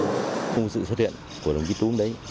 vô cùng sự xuất hiện của đồng chí túm đấy